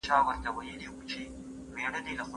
څنګه کولای سو د خپلو مشرانو له تجربو ګټه واخلو؟